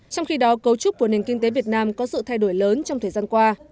trong khi đó cấu trúc của nền kinh tế việt nam có sự thay đổi lớn trong thời gian qua